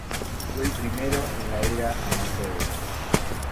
Fue el primero en la Era Amateur.